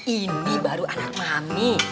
ini baru anak mami